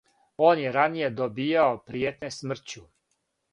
Он је раније добијао пријетње смрћу.